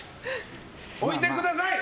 置いてください！